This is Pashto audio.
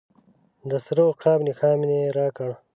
د سره عقاب نښان یې راکړ.